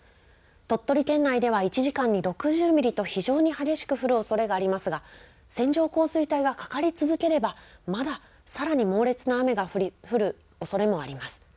鳥取県内では１時間に６０ミリと非常に激しく降るおそれがありますが線状降水帯がかかり続ければまださらに猛烈な雨が降るおそれもあります。